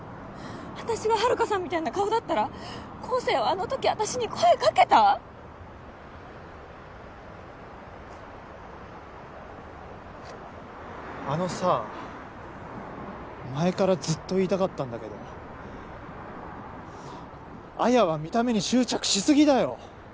私がハルカさんみたいな顔だったら光晴はあのとき私に声掛けた⁉あのさ前からずっと言いたかったんだけど彩は見た目に執着し過ぎだよ！